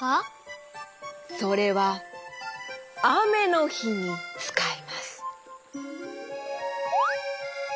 それはあめのひにつかいます。